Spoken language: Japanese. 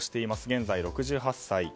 現在、６８歳。